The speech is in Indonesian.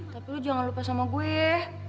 tapi lo jangan lupa sama gue ye